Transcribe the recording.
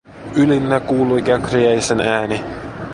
Ylinnä kuului Käkriäisen ääni.